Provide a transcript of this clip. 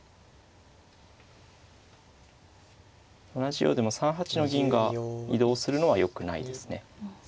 同じようでも３八の銀が移動するのはよくないですね。